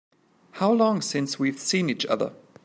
How long since we've seen each other?